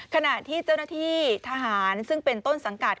ขณะที่เจ้าหน้าที่ทหารซึ่งเป็นต้นสังกัด